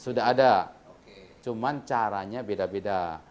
sudah ada cuma caranya beda beda